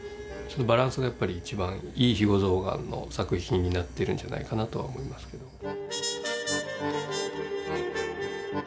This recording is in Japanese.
そのバランスがやっぱり一番いい肥後象がんの作品になってるんじゃないかなとは思いますけど。